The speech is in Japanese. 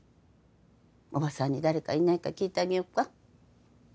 おばさんに誰かいないか聞いてあげよっか？